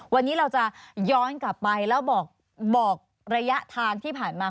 วันนี้เราจะย้อนกลับไปแล้วบอกระยะทางที่ผ่านมา